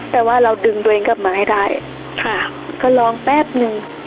แต่ว่าเราดึงตัวเองกลับมาให้ได้ค่ะก็ร้องแป๊บนึง